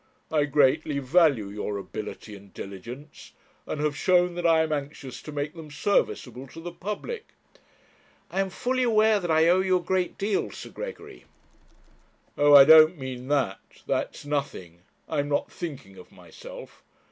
I greatly value your ability and diligence, and have shown that I am anxious to make them serviceable to the public.' 'I am fully aware that I owe you a great deal, Sir Gregory.' 'Oh, I don't mean that; that's nothing; I am not thinking of myself.